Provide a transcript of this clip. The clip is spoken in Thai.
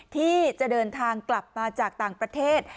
ที่จะเดินทางกลับมาจากต่างประเทศ